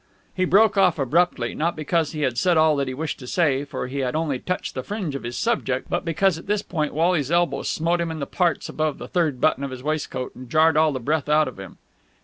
He broke off abruptly, not because he had said all that he wished to say, for he had only touched the fringe of his subject, but because at this point Wally's elbow smote him in the parts about the third button of his waistcoat and jarred all the breath out of him.